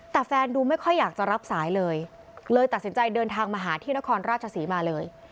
แต่แฟนดูไม่ค่อยอยากจะรับสายเลยเลยตัดสินใจเดินทางมาหาที่นครราชศรีมาเลย